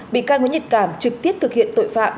bị can nguyễn nhật cảm trực tiếp thực hiện tội phạm